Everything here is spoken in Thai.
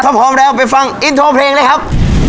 ถ้าพร้อมแล้วไปฟังอินโทรเพลงเลยครับ